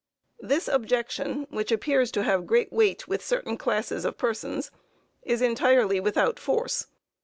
This objection, which appears to have great weight with certain classes of persons, is entirely without force.